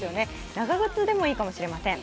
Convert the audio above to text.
長靴でもいいかもしれません。